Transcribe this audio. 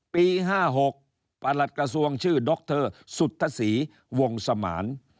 ปี๕๖ประหลัดกระทรวงชื่อดรสุทธศรีวงสมาน